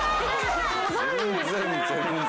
全然全然。